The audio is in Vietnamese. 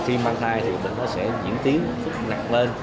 khi mang thai thì bệnh nó sẽ diễn tiến rất là nặng lên